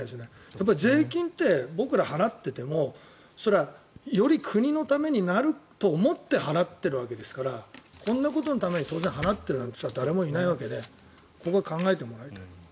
やっぱり税金って僕ら、払っててもより国のためになると思って払ってるわけですからこんなことのために当然払っているなんて人はいないわけで今後、考えてもらいたい。